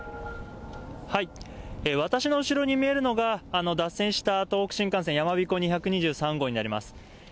私の後ろに見えるのが、脱線した東北新幹線やまびこ２２３号になります。